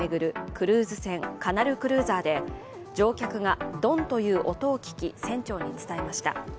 クルーズ船、カナルクルーザーで乗客がドンという音を聞き船長に伝えました。